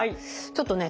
ちょっとね